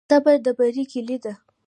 صبر د بری کلي ده.